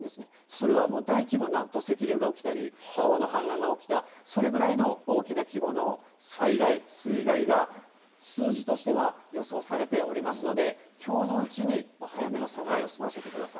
それは大規模な土石流が起きたり、川の氾濫が起きた、それぐらいの大きな規模の災害、水害が数字としては予想されておりますので、きょうのうちに早めの備えを済ませてください。